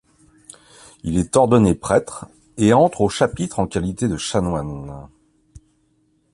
Il est ordonné prêtre et entre au chapitre en qualité de chanoine.